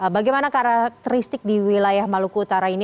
bagaimana karakteristik di wilayah maluku utara ini